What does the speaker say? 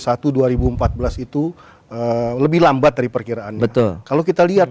disebabkan pertumbuhan ekonomi di tw satu dua ribu empat belas itu lebih lambat dari perkiraan betul kalau kita lihat